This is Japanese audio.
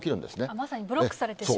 まさにブロックされてしまう？